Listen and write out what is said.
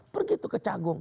pergi ke cagung